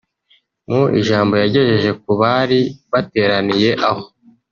Mu ijambo yagejeje ku bari bateraniye aho